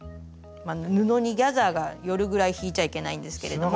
布にギャザーが寄るぐらい引いちゃいけないんですけれども。